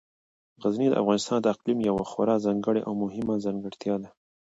غزني د افغانستان د اقلیم یوه خورا ځانګړې او مهمه ځانګړتیا ده.